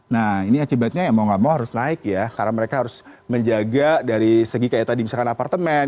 nah ini akibatnya ya mau gak mau harus naik ya karena mereka harus menjaga dari segi kayak tadi misalkan apartemen